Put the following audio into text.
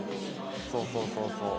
そうそうそうそう。